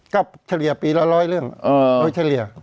ก็เฉลี่ยปีละร้อยเรื่องโอ้โหเฉลี่ย